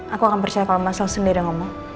aku akan percaya kalau mas leluh sendiri yang ngomong